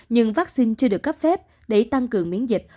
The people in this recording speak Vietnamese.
nhưng vaccine chưa được cấp phép để tăng cường miễn dịch